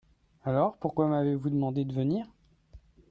Alors, pourquoi m'avez-vous demandé de venir ?